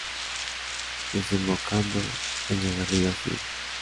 Desembocando en el río Sil.